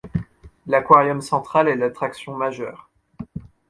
L'aquarium central est l'attraction majeure.